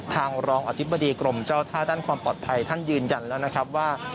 รองอธิบดีกรมเจ้าท่าด้านความปลอดภัยท่านยืนยันแล้วนะครับว่า